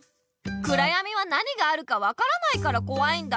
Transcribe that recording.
くらやみはなにがあるかわからないからこわいんだ。